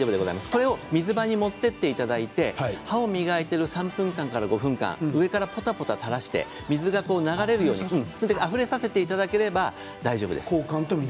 これを水場に持って行っていただいて歯を磨いてる３分間から５分間、上からぽたぽたたらして水が流れるようにあふれさせていただければ大丈夫です。